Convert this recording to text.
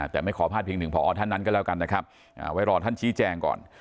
แต่ไม่ขอพลาดเพียงหนึ่งพอท่านนั้นก็แล้วกันนะครับไว้รอท่านชี้แจงก่อน